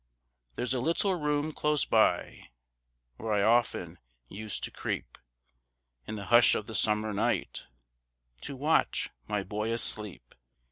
There's a little room close by, Where I often used to creep In the hush of the summer night To watch my boy asleep.